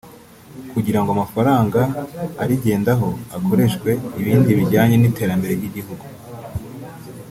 kugira ngo amafaranga arigendaho akoreshwe ibindi bijyanye n’iterambere ry’igihugu